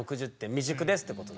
未熟ですってことだ。